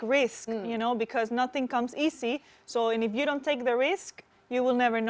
jadi saya pikir hal yang paling penting adalah untuk mengejar apa yang anda inginkan